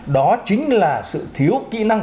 đó chính là sự thiếu kỹ năng